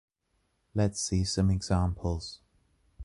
Let’s see some examples.